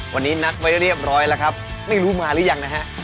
วันนี้นัดไว้เรียบร้อยแล้วครับไม่รู้มาหรือยังนะฮะ